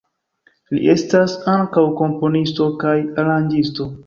Li estas ankaŭ komponisto kaj aranĝisto.